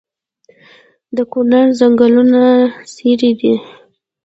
د کونړ ځنګلونه څیړۍ دي